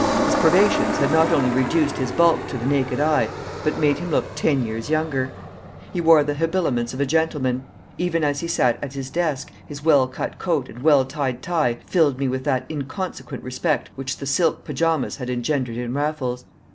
His privations had not only reduced his bulk to the naked eye, but made him look ten years younger. He wore the habiliments of a gentleman; even as he sat at his desk his well cut coat and well tied tie filled me with that inconsequent respect which the silk pyjamas had engendered in Raffles.